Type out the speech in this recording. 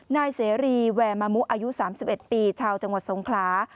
นายเสรีแวร์มามุอายุ๓๑ปีชาวจังหวัดสงขลา